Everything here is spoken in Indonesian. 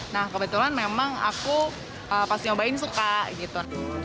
nah kebetulan memang aku pas nyobain suka gitu